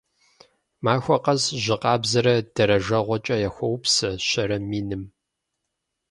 Махуэ къэс жьы къабзэрэ дэрэжэгъуэкӀэ яхуоупсэ щэрэ миным.